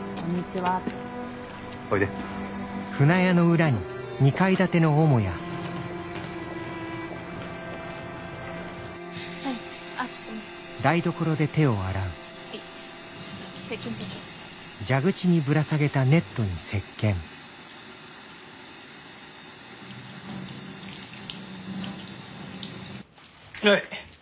はい。